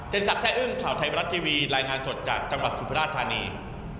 สักแซ่อึ้งข่าวไทยบรัฐทีวีรายงานสดจากจังหวัดสุพราชธานี